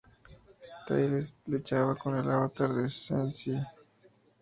Styles y luchaba con el avatar de Senshi.